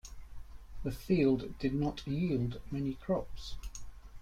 The field did not yield many crops.